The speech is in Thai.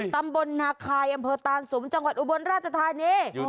ตำบลนาคายอำเภอตานสุมจังหวัดอุบลราชธานี